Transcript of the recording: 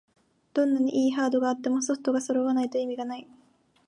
どんなに良いハードがあってもソフトがそろわないと意味がない